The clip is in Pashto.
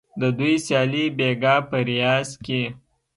د دوی سیالي بیګا په ریاض کې